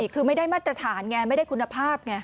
คือไม่ได้มาตรฐานไงไม่ได้คุณภาพไง